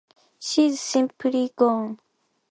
She's simply gone.